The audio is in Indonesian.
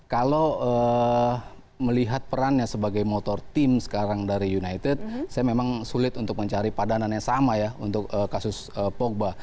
kalau melihat perannya sebagai motor tim sekarang dari united saya memang sulit untuk mencari padanan yang sama ya untuk kasus pogba